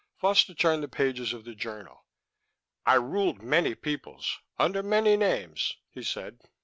Foster turned the pages of the journal. "I ruled many peoples, under many names," he said.